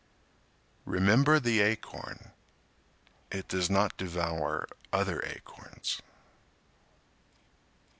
Remember the acorn; It does not devour other acorns.